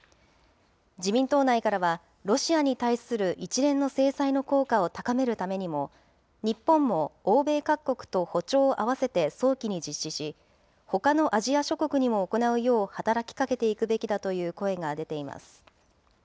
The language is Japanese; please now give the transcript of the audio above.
自民党内からは、ロシアに対する一連の制裁の効果を高めるためにも、日本も欧米各国と歩調を合わせて早期に実施し、ほかのアジア諸国にも行うよう働きかけていくべきだという声が出ています。